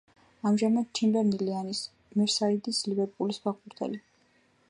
ამჟამად ჩემბერლინი არის მერსისაიდის „ლივერპულის“ ფეხბურთელი.